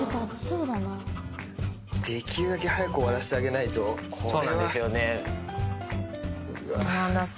できるだけ早く終わらせてあげないと、これは。